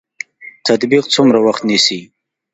تطبیق څومره وخت نیسي؟